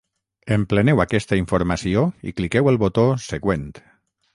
Empleneu aquesta informació i cliqueu el botó 'Següent'.